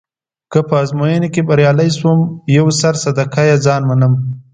که په ازموینه کې بریالی شوم یو سر صدقه يه ځان منم.